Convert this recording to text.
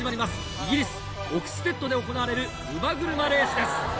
イギリスオクステッドで行われる乳母車レースです。